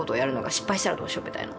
失敗したらどうしようみたいな。